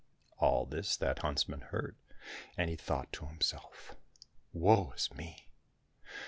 All this that huntsman heard, and he thought to himself, " Woe is me